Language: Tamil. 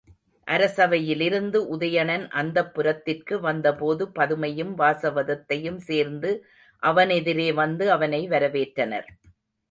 அரசவையிலிருந்து உதயணன் அந்தப்புரத்திற்கு வந்த போது பதுமையும் வாசவதத்தையும் சேர்ந்து அவனெதிரே வந்து அவனை வரவேற்றனர்.